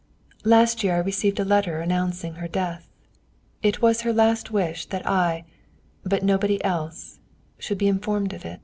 Last year I received a letter announcing her death. It was her last wish that I, but nobody else, should be informed of it.